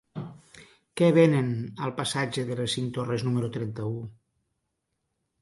Què venen al passatge de les Cinc Torres número trenta-u?